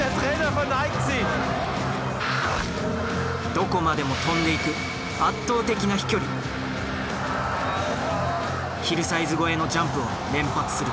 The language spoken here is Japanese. どこまでも飛んでいくヒルサイズ越えのジャンプを連発する。